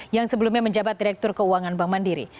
yang sebelumnya menjabat direktur keuangan bank mandiri